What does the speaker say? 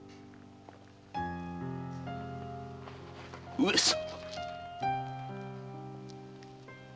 上様！